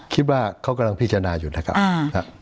คิดว่าเขากำลังพิจารณาอยู่นะครับ